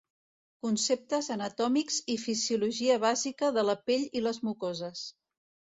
Conceptes anatòmics i fisiologia bàsica de la pell i les mucoses.